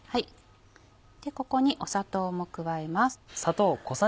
ここに砂糖も加えます。